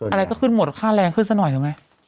อะไรก็ขึ้นหมวดจากค่าแลงขึ้นสักหน่อยใช่มั้ย